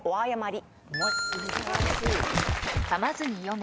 かまずに読め。